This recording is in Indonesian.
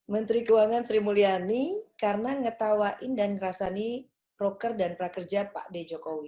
menteri keuangan sri mulyani karena mengetawain dan merasakan broker dan prakerja pak d jokowi